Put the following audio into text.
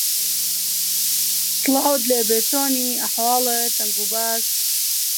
The hustle is daily, relentless, unkind.